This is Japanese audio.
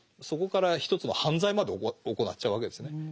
そこから一つの犯罪までおこなっちゃうわけですね。